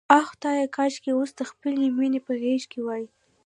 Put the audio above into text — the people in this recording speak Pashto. آه خدایه، کاشکې اوس د خپلې مینې په غېږ کې وای.